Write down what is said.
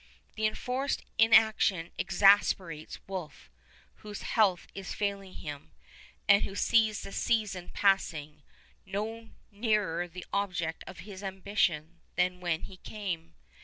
The enforced inaction exasperates Wolfe, whose health is failing him, and who sees the season passing, no nearer the object of his ambition than when he came.